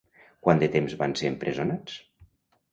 Quant de temps van ser empresonats?